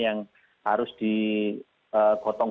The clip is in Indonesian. yang harus digotong